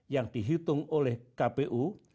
yang dihitung oleh kpu